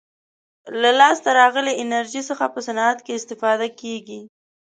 له لاسته راغلې انرژي څخه په صنعت کې استفاده کیږي.